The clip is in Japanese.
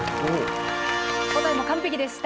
答えも完璧でした。